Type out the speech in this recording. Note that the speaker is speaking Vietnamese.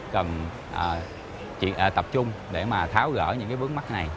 cần tập trung để mà tháo gỡ những vướng mắt này